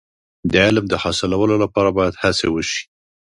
د علم د حاصلولو لپاره باید هڅې وشي.